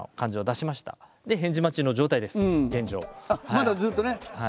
まだずっとね。